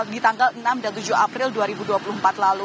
di tanggal enam dan tujuh april dua ribu dua puluh empat lalu